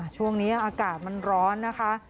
ช่วงนี้อากาศมันร้อนนะคะ